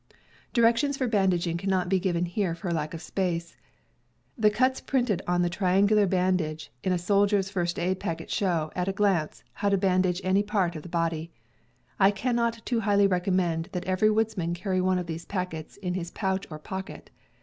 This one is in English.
Directions for bandaging cannot be given here from lack of space. The cuts printed on the triangular band age in a soldier's first aid packet show, at a glance, how to bandage any part of the body. I cannot too highly recommend that every woodsman carry one of these packets in his pouch or pocket.